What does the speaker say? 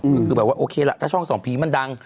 ก็คือแบบว่าโอเคล่ะถ้าช่องส่องผีมันดัง